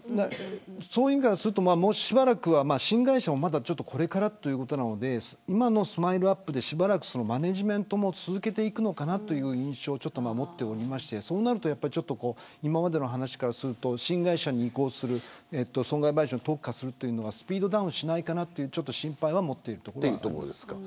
もうしばらくは新会社もこれからということなのでＳＭＩＬＥ−ＵＰ．でしばらくマネジメントも続けていくのかなという印象もありましてそうなると今までの話からすると新会社に移行する損害賠償に特化するというのがスピードダウンしないかという心配はあります。